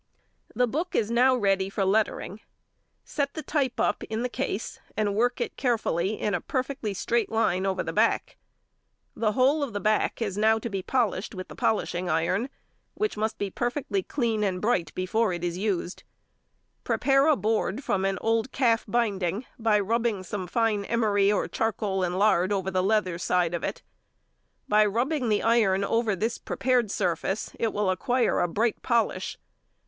The book is now ready for lettering. Set the type up in the case, and work it carefully in a perfectly straight line over the back. The whole of the back is now to be polished with the polishing iron, which must be perfectly clean and bright before it is used. Prepare a board from an old calf binding, by rubbing some fine emery or charcoal and lard over the leather side of it. By rubbing the iron over this prepared surface it will acquire a bright polish.